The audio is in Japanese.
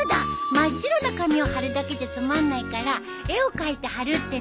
真っ白な紙を貼るだけじゃつまんないから絵を描いて貼るってのはどう？